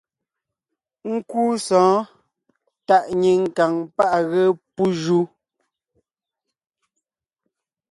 Nkúu sɔ̌ɔn tàʼ nyìŋ kàŋ páʼ à ge pú ju.